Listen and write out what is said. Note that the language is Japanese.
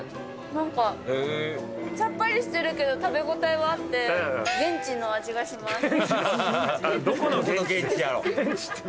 なんか、さっぱりしてるけど、食べ応えがあって、現地の味がします。